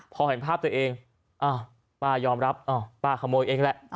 พอเห็นภาพตัวเองอ้าวป้ายอมรับป้าขโมยเองแหละ